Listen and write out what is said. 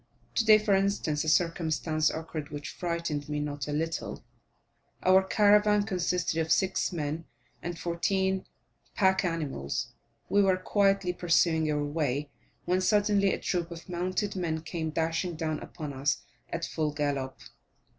Today, for instance, a circumstance occurred which frightened me not a little: our caravan consisted of six men and fourteen pack animals; we were quietly pursuing our way, when suddenly a troop of mounted men came dashing down upon us at full gallop.